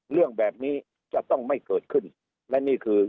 เรื่องแบบนี้จะต้องไม่เกิดขึ้นและนี่คือ